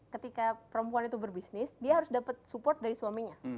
ketika perempuan itu berbisnis dia harus dapat support dari suaminya